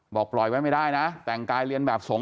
บอกปล่อยไว้ไม่ได้นะแต่งกายเรียนแบบสงฆ